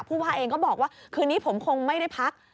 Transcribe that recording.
ผู้ว่าเองก็บอกว่าคืนนี้ผมคงไม่ได้พัก